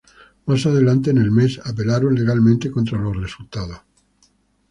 Más adelante en el mes, apelaron legalmente contra los resultados.